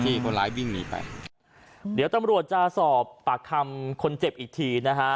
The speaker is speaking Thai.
คนร้ายวิ่งหนีไปเดี๋ยวตำรวจจะสอบปากคำคนเจ็บอีกทีนะฮะ